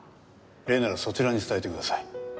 礼ならそちらに伝えてください。